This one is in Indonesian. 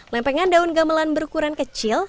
lempengan daun gamelan berukuran kecil